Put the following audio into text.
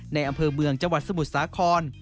อำเภอเมืองจังหวัดสมุทรสาคร